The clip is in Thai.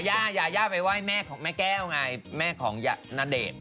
ยาไปไหว้แม่แก้วไงแม่ของณเดชน์